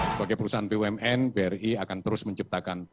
sebagai perusahaan bumn bri akan terus menciptakan